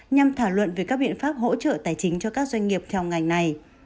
nhằm thảo luận về các biện pháp hỗ trợ tài chính cho các doanh nghiệp theo ngành này